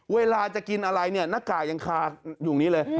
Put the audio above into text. เวลาจะกินอะไรเนี่ยหน้ากากยังคาอยู่อย่างนี้เลย